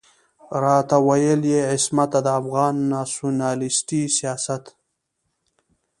راته ويل يې عصمته د افغان ناسيوناليستي سياست.